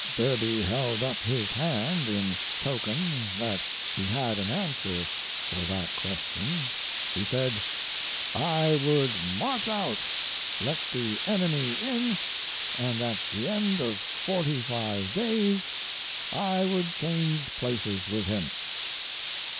"Derby held up his hand in token that he had an answer for that question. He said, 'I would march out, let the enemy in, and at the end of forty five days I would change places with him.'